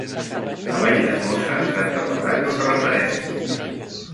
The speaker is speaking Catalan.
A Valldemossa s'ha celebrat un referèndum